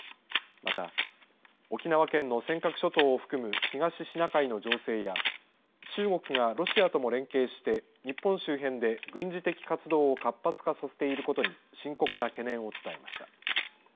また、沖縄県の尖閣諸島を含む東シナ海の情勢や中国がロシアとも連携して日本周辺で軍事的活動を活発化させていることに深刻な懸念を伝えました。